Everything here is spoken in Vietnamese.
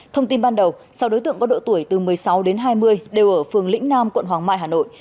thông tin ban đầu sáu đối tượng có độ tuổi từ một mươi sáu đến hai mươi đều ở phường lĩnh nam quận hoàng mai hà nội